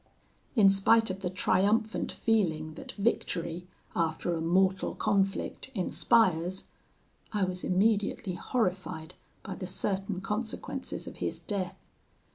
"In spite of the triumphant feeling that victory, after a mortal conflict, inspires, I was immediately horrified by the certain consequences of his death.